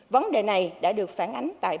vấn đề này đã được phản ánh tại bản tin